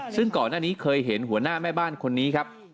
ซึ่งก่อนหน้านี้เคยเห็นหัวหน้าแม่บ้านคนนี้ครับ